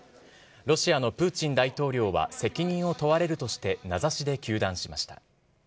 ロシアのプーチン大統領は責任を問われるとして、名指しで糾弾しました。